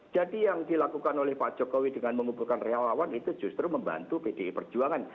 jadi yang dilakukan oleh pak jokowi dengan mengumpulkan relawan itu justru membantu pdi perjuangan